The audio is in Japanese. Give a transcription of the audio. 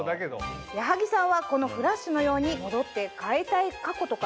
矢作さんはこのフラッシュのように戻って変えたい過去とかありますか？